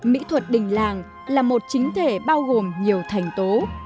mỹ thuật đình làng là một chính thể bao gồm nhiều thành tố